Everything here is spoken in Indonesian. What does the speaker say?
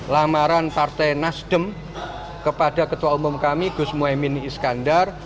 lamaran partai nasdem kepada ketua umum kami gus mohaimin iskandar